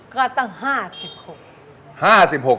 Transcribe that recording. ก็ตั้ง๕๖